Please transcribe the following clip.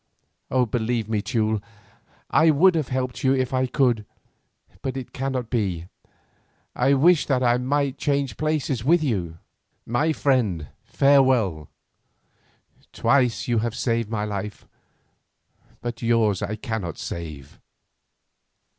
Believe me, Teule, I would have helped you if I could, but it cannot be. I wish that I might change places with you. My friend, farewell. Twice you have saved my life, but yours I cannot save."